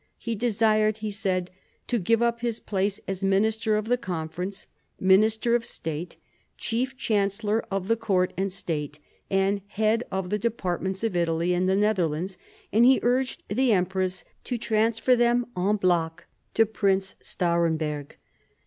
He desired, he said, to give up his place as Minister of the Conference, Minister of State, chief chancellor of the Court and State, and head of the departments of Italy and the Netherlands; and he urged the empress to transfer them en bloc to Prince Stahremberg.